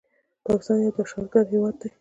پاکستان يو دهشتګرد هيواد ده